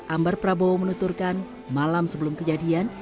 ambar prabowo menuturkan malam sebelum kejadian